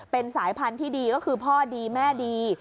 เป็นสายพันธุ์ที่ดีก็คือพ่อดีแม่ดี